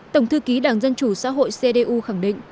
tổng thư ký đảng dân chủ xã hội cdu khẳng định